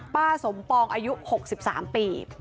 ป้าสมปองอายุ๖๓ปี